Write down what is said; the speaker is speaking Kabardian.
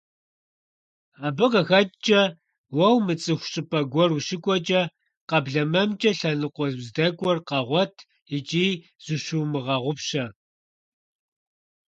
Абы къыхэкӀкӀэ уэ умыцӀыху щӀыпӀэ гуэр ущыкӀуэкӀэ къэблэмэмкӀэ лъэныкъуэ уздэкӀуэр къэгъуэт икӀи зыщумыгъэгъупщэ.